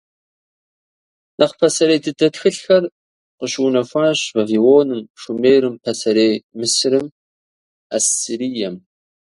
Нэхъ пасэрей дыдэ тхылъхэр къыщыунэхуащ Вавилоным, Шумерым, Пасэрей Мысырым, Ассирием.